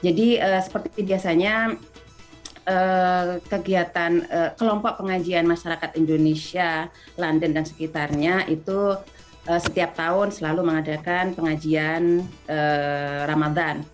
jadi seperti biasanya kegiatan kelompok pengajian masyarakat indonesia london dan sekitarnya itu setiap tahun selalu mengadakan pengajian ramadan